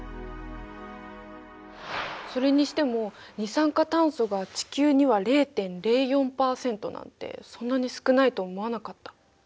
それにしても二酸化炭素が地球には０．０４％なんてそんなに少ないと思わなかった。